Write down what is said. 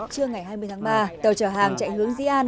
trưa ngày hai mươi tháng ba tàu chở hàng chạy hướng di an